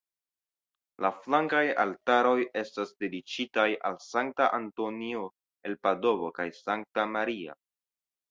La flankaj altaroj estas dediĉitaj al Sankta Antonio el Padovo kaj Sankta Maria.